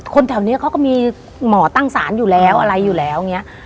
แถวนี้เขาก็มีหมอตั้งศาลอยู่แล้วอะไรอยู่แล้วอย่างนี้